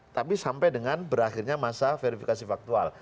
tapi sampai dengan berakhirnya masa verifikasi faktual